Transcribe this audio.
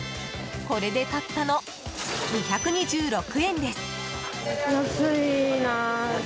これでたったの２２６円です。